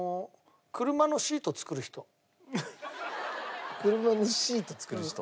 車のシート作る人？